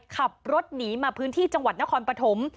ขับรถหนีมาพื้นที่จังหวัดนครปฐม